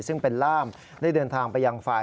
ซึ่งเป็นล่ามได้เดินทางไปยังฝ่าย